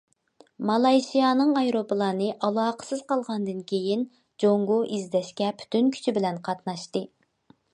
مالايشىيانىڭ ئايروپىلانى ئالاقىسىز قالغاندىن كېيىن، جۇڭگو ئىزدەشكە پۈتۈن كۈچى بىلەن قاتناشتى.